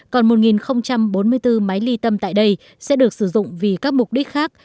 còn một bốn mươi bốn máy ly tâm tại đây sẽ được sử dụng vì các mục đích khác